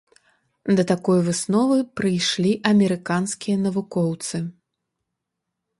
Да такой высновы прыйшлі амерыканскія навукоўцы.